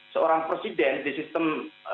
seorang presiden di sistem